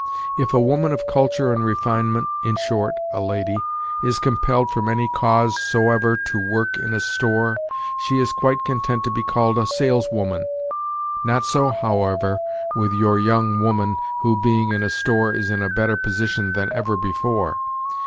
If a woman of culture and refinement in short, a lady is compelled from any cause soever to work in a store, she is quite content to be called a sales woman; not so, however, with your young woman who, being in a store, is in a better position than ever before.